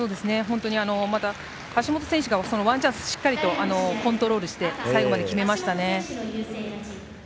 橋本選手がワンチャンスしっかりとコントロールして最後まで決めましたね。